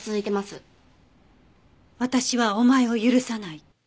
「私はおまえを許さない」